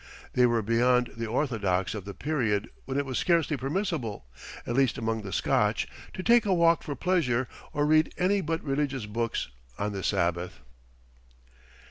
They were beyond the orthodox of the period when it was scarcely permissible, at least among the Scotch, to take a walk for pleasure or read any but religious books on the Sabbath.